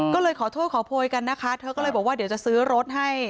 ก็เลยขอโทษขอโพยกันนะคะเธอก็เลยบอกว่าเดี๋ยวจะซื้อรถให้